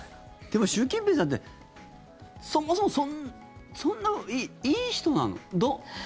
でも、習近平さんってそもそもそんないい人なの？